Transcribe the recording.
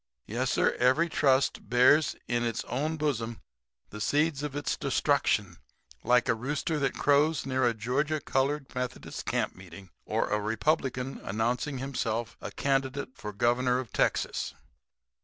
Yes, sir, every trust bears in its own bosom the seeds of its destruction like a rooster that crows near a Georgia colored Methodist camp meeting, or a Republican announcing himself a candidate for governor of Texas."